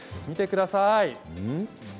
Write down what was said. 見てください。